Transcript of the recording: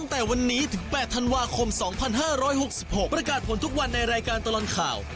๘ธันวาคม๒๕๖๖ประกาศผลทุกวันในรายการตลอดข่าว